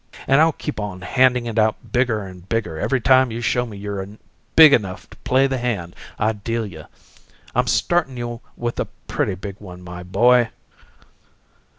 And I'll keep on handin' it out bigger and bigger every time you show me you're big enough to play the hand I deal you. I'm startin' you with a pretty big one, my boy!"